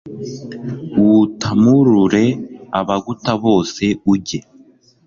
uwutamurure. abaguta bose ujye